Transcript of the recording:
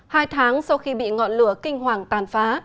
hai tháng sau khi bị ngọn lửa kinh hoàng tàn phá